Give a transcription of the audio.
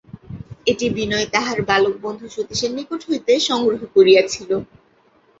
এটি বিনয় তাহার বালক বন্ধু সতীশের নিকট হইতে সংগ্রহ করিয়াছিল।